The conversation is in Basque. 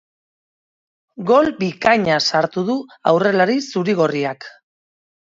Gol bikaina sartu du aurrelari zuri-gorriak.